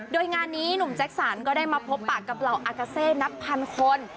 โดยงานนี้หนุ่มแจ็คสันก็ได้มาพบปากกับเหล่าอากาเซ่นับพันคน